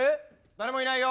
誰もいないよ。